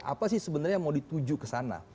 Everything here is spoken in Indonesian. apa sih sebenarnya yang mau dituju ke sana